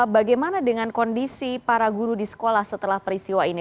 bagaimana dengan kondisi para guru di sekolah setelah peristiwa ini